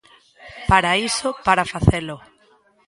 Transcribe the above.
Para iso, para facelo.